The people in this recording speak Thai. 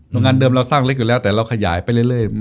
งานเดิมเราสร้างเล็กอยู่แล้วแต่เราขยายไปเรื่อย